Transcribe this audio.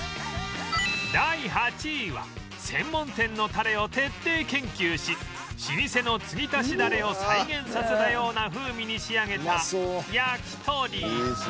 第８位は専門店のタレを徹底研究し老舗の継ぎ足しダレを再現させたような風味に仕上げた焼き鳥